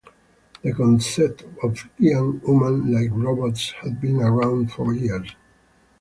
The concept of giant, human-like robots have been around for years.